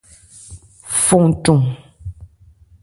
Fɔn cɔn.